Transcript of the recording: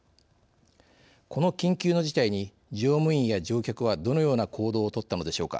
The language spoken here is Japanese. この緊急の事態に乗務員や乗客はどのような行動を取ったのでしょうか。